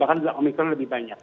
bahkan omicron lebih banyak